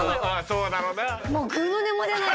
そうだろうな。